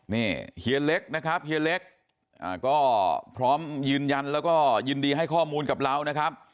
นี่เฮียเล็กนะครับเฮียเล็กก็พร้อมยืนยันแล้วก็ยินดีให้ข้อมูลกับเรานะครับ